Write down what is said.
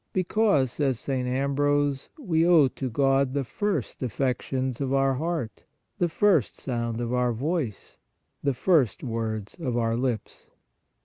"Because," says St. Ambrose, "we owe to God the first affections of our heart, the first sound of our voice, the first words of our lips."